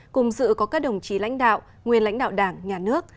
cùng dự có các đồng chí lãnh đạo nguyên lãnh đạo đảng nhà nước